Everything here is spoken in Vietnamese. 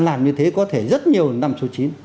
làm như thế có thể rất nhiều năm số chín